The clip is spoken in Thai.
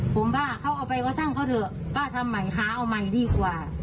ผมว่าเขาเอาไปก็ช่างเขาเถอะป้าทำใหม่หาเอาใหม่ดีกว่า